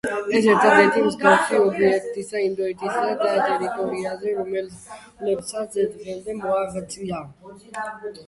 ეს ერთადერთი მსგავსი ობიექტია ინდოეთის ტერიტორიაზე, რომელმაც დღემდე მოაღწია.